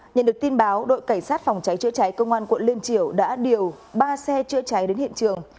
nhận được tin báo đội cảnh sát phòng cháy chữa cháy công an quận liên triều đã điều ba xe chữa cháy đến hiện trường